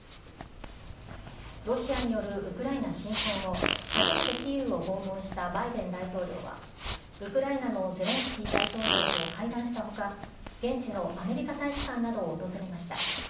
ロシアによるウクライナ侵攻後、初めてキーウを訪問したバイデン大統領は、ウクライナのゼレンスキー大統領と会談したほか、現地のアメリカ大使館などを訪れました。